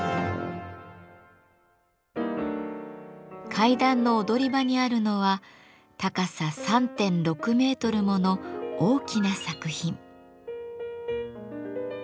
階段の踊り場にあるのは高さ３．６メートルもの大きな作品。